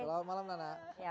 selamat malam nana